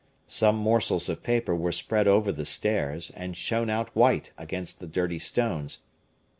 Some morsels of paper were spread over the stairs, and shone out white against the dirty stones.